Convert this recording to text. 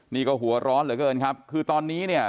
นี่ก็หัวร้อนเหลือเกินครับคือตอนนี้เนี่ย